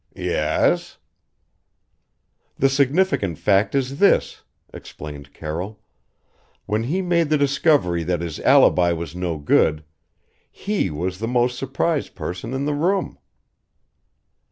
"Yes ?" "The significant fact is this," explained Carroll "when he made the discovery that his alibi was no good he was the most surprised person in the room!"